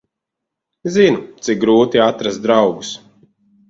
Zinu, cik grūti atrast draugus.